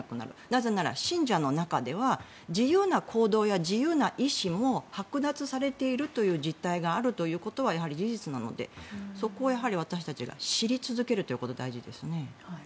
なぜなら信者の中では自由な行動や自由な意思も剥奪されているという実態があるということはやはり事実なのでそこをやはり私たちが知り続けることが大事ですね。